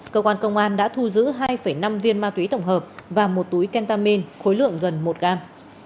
cơ quan công an đã thu giữ hai năm viên ma túy tổng hợp và một túi kentamin khối lượng gần một gram